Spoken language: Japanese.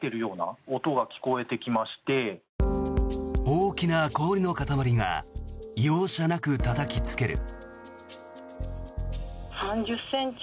大きな氷の塊が容赦なくたたきつける。